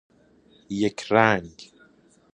یک رنگ